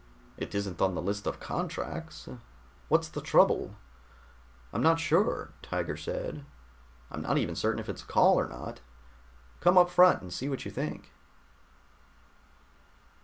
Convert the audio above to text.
"It isn't on the list of contracts. What's the trouble?" "I'm not sure," Tiger said. "I'm not even certain if it's a call or not. Come on up front and see what you think."